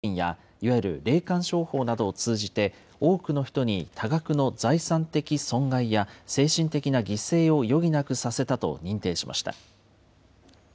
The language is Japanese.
教団が４０年余りにわたり、高額献金やいわゆる霊感商法などを通じて、多くの人に多額の財産的損害や精神的な犠牲を余儀なくさせたと認定しました。